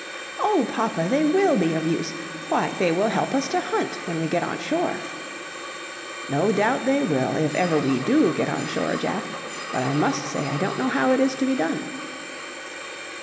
"Oh, papa! they will be of use! Why, they will help us to hunt when we get on shore!" "No doubt they will, if ever we do get on shore, Jack; but I must say I don't know how it is to be done."